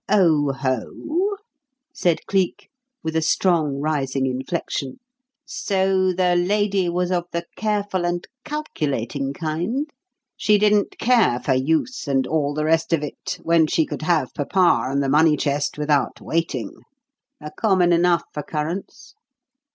"Oho!" said Cleek, with a strong, rising inflection. "So the lady was of the careful and calculating kind? She didn't care for youth and all the rest of it when she could have papa and the money chest without waiting. A common enough occurrence.